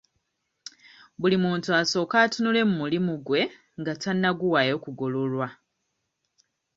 Buli muntu asooke atunule mu mulimu gwe nga tannaguwaayo kugololwa.